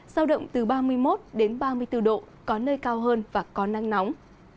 giao động từ ba mươi một ba mươi bốn độ có nơi cao hơn và có năng nóng